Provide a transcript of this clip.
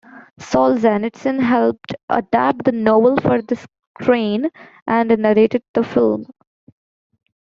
Solzhenitsyn helped adapt the novel for the screen and narrated the film.